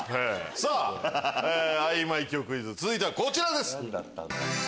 あいまい記憶クイズ続いてはこちらです。